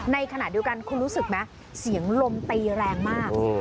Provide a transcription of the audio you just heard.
ในขณะเดียวกันคุณรู้สึกไหมเสียงลมตีแรงมาก